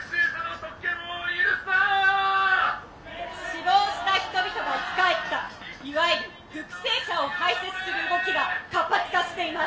「死亡した人々が生き返ったいわゆる復生者を排斥する動きが活発化しています」。